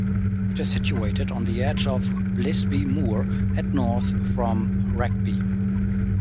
It is situated on the edge of Bleasby Moor and north from Wragby.